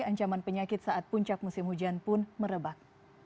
ancaman penyakit saat puncak musim hujan pun merebak